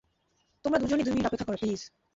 তোমরা দুজনই দুই মিনিট অপেক্ষা করো প্লীজ।